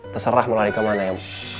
terserah mau lari kemana ya mas